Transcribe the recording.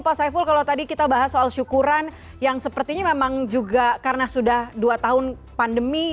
pak saiful kalau tadi kita bahas soal syukuran yang sepertinya memang juga karena sudah dua tahun pandemi